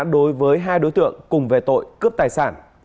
đối với hai đối tượng cùng về tội cướp tài sản